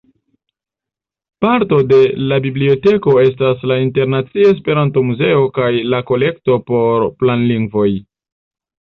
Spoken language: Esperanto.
Parto de la biblioteko estas la Internacia Esperanto-Muzeo kaj la Kolekto por Planlingvoj.